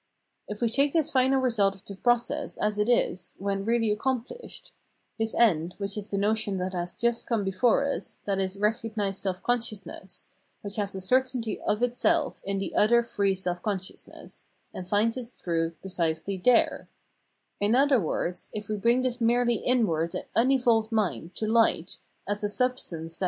If we take this final result of the process as it is when really accomplished — this end, which is the notion that has just come before us, viz. recognised self conscious ness, which has the certainty of itself in the other free self consciousness, and finds its truth precisely there ; in other words, if we bring this merely inward and un evolved mind to light as the substance that has de * viz : in descriptive observation of nature as such.